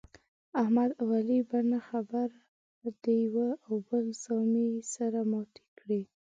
احمد او علي په نه خبره د یوه او بل زامې سره ماتې کړلې.